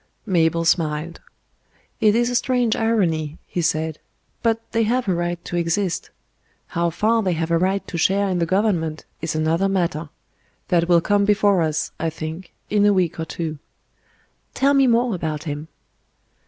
Mabel smiled. "It is a strange irony," he said. "But they have a right to exist. How far they have a right to share in the government is another matter. That will come before us, I think, in a week or two." "Tell me more about Him."